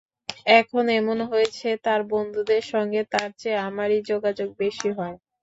এখন এমন হয়েছে তার বন্ধুদের সঙ্গে তার চেয়ে আমারই যোগাযোগ বেশি হয়।